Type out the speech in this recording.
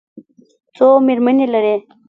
څو مېرمنې لري؟